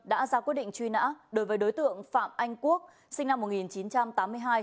đã ra quyết định truy nã đối với đối tượng phạm anh quốc sinh năm một nghìn chín trăm tám mươi hai